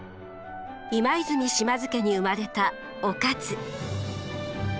今和泉島津家に生まれた於一。